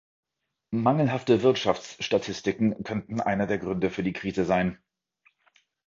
Mangelhafte Wirtschaftsstatistiken könnten einer der Gründe für die Krise sein.